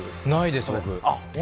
ないです、僕。